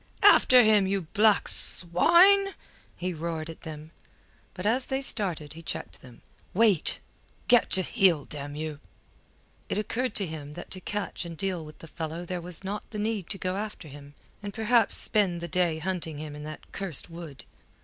"After him, you black swine!" he roared at them. But as they started he checked them. "Wait! Get to heel, damn you!" It occurred to him that to catch and deal with the fellow there was not the need to go after him, and perhaps spend the day hunting him in that cursed wood.